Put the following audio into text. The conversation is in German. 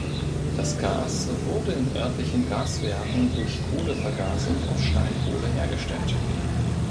Das Gas wurde in örtlichen Gaswerken durch Kohlevergasung aus Steinkohle hergestellt.